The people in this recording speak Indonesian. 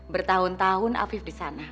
bertahun tahun afif di sana